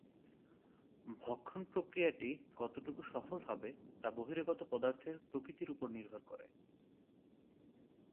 ভক্ষণ প্রক্রিয়াটি কতটুকু সফল হবে, তা বহিরাগত পদার্থের প্রকৃতির উপর নির্ভর করে।